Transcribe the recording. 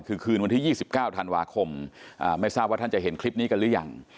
คือคืนวันที่๒๙ธันวาคมไม่ทราบว่าท่านจะเห็นคลิปนี้กันหรือยัง